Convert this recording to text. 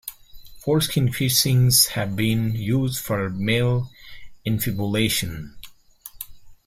Foreskin piercings have been used for male infibulation.